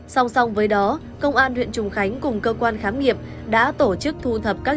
song song với đó công an huyện trùng khánh cùng cơ quan khám nghiệm đã tổ chức thu thập các